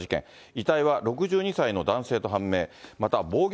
遺体は６２歳の男性と判明。